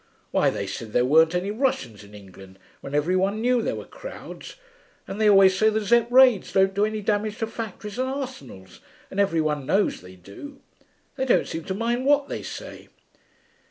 Why, they said there weren't any Russians in England, when every one knew there were crowds, and they always say the Zepp. raids don't do any damage to factories and arsenals, and every one knows they do. They don't seem to mind what they say.'